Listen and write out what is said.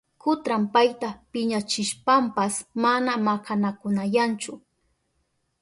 Kutran payta piñachishpanpas mana makanakunayanchu.